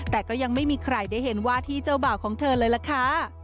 แต่ก็ยังไม่มีใครได้เห็นว่าที่เจ้าบ่าวของเธอเลยล่ะค่ะ